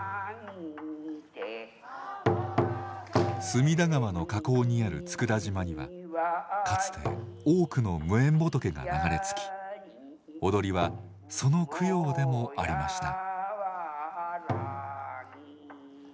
隅田川の河口にある佃島にはかつて多くの無縁仏が流れ着き踊りはその供養でもありました。